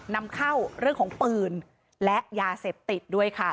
นำเข้าเรื่องของปืนและยาเสพติดด้วยค่ะ